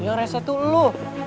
yang reset tuh lo